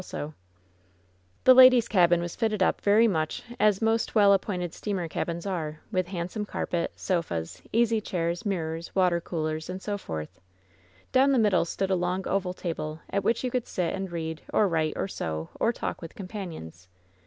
WHEN SHADOWS DIE 49 The ladies^ cabin was fitted up very mucli as most well appointed steamer cabins are, with handsome car pet, sofas, easy chairs, mirrors, water coolers, and so forth. Down the middle stood a long oval table, at which you could sit and read, or write, or sew, or talk with companions.